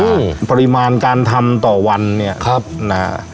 ใช่ปริมาณการทำต่อวันเนี่ยครับนะฮะ